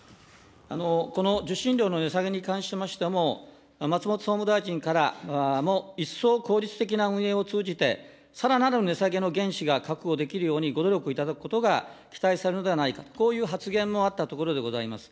この受信料の値下げに関しましても、松本総務大臣からも、一層効率的な運営を通じて、さらなる値下げの原資が確保できるようにご努力いただくことが期待されるのではないかと、こういう発言もあったところでございます。